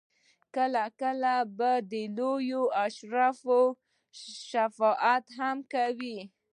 کله کله به د لویو اشرافو شفاعت هم کار کاوه.